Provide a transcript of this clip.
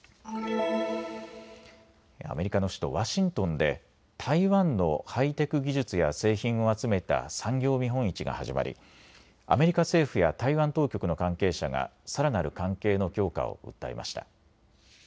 アメリカの首都ワシントンで台湾のハイテク技術や製品を集めた産業見本市が始まりアメリカ政府や台湾当局の関係者がさらなる関係の強化を訴えました。